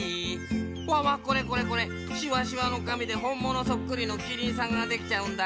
わっわっこれこれこれしわしわのかみでほんものそっくりのキリンさんができちゃうんだ。